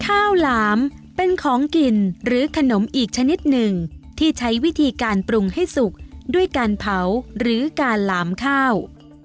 ข้าวหลามเป็นของกินหรือขนมอีกชนิดหนึ่งที่ใช้วิธีการปรุงให้สุกด้วยการเผาหรือการหลามข้าว